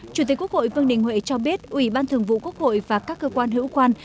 chủ tịch quốc hội vương đình huệ cho biết ủy ban thường vụ quốc hội và các cơ quan hữu quan